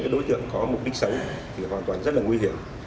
đối tượng có mục đích xấu thì hoàn toàn rất là nguy hiểm